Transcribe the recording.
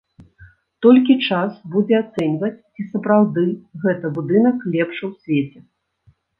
Толькі час будзе ацэньваць, ці сапраўды гэты будынак лепшы ў свеце.